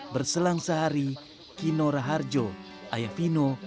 berselang sehari kino raharjo ayah vino